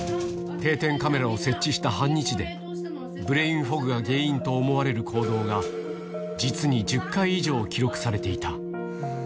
定点カメラを設置した半日で、ブレインフォグが原因と思われる行動が、実に１０回以上記録されていた。